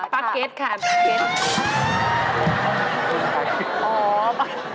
ปลั๊กเก็ตค่ะปลั๊กเก็ต